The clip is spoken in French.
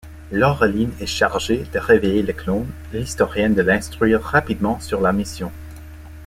Laureline est chargée de réveiller le clone, l'historienne de l'instruire rapidement sur la mission.